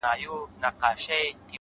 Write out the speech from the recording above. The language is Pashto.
خو يو ځل بيا وسجدې ته ټيټ سو!!